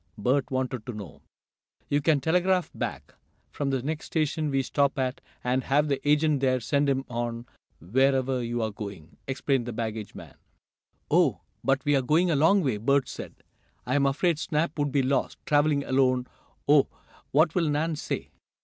Bert wanted to know. "You can telegraph back, from the next station we stop at, and have the agent there send him on, wherever you are going," explained the baggage man. "Oh, but we're going a long way," Bert said. "I'm afraid Snap would be lost, traveling alone. Oh, what will Nan say!"